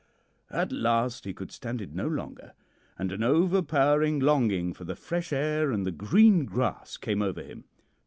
At last he could stand it no longer, and an overpowering longing for the fresh air and the green grass came over him.